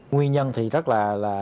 nguyên nhân thì rất là